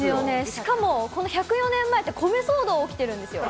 しかも、この１０４年前って、米騒動起きてるんですよ。